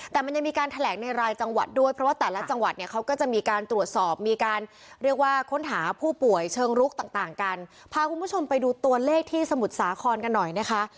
แต่มันยังมีการแถลงในรายจังหวัดด้วยเพราะว่าแต่ละจังหวัดเนี่ยเขาก็จะมีการตรวจสอบมีการเรียกว่าค้นหาผู้ป่วยเชิงรุกต่างต่างกันพาคุณผู้ชมไปดูตัวเลขที่สมุทรสาครกันหน่อยนะคะ